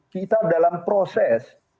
kita dalam proses